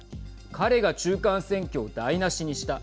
彼が中間選挙を台なしにした。